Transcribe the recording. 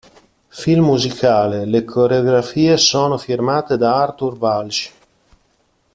Film musicale, le coreografie sono firmate da Arthur Walsh.